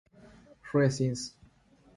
Res. Inst.